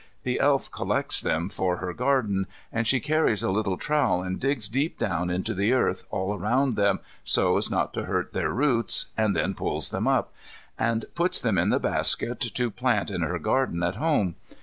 The Elf collects them for her garden, and she carries a little trowel and digs deep down into the earth all round them so as not to hurt their roots and then pulls them up, and puts them in the basket to plant in her garden at home.